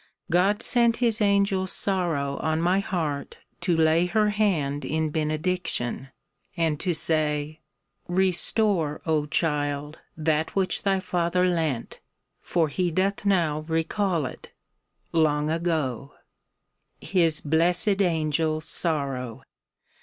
God sent His angel Sorrow on my heart to lay Her hand in benediction, and to say, " Restore, O child, that which thy Father lent, For He doth now recall it," long ago. His blessed angel Sorrow